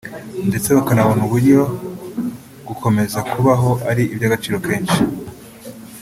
ndetse bakanabona uburyo gukomeza kubaho ari iby’agaciro kenshi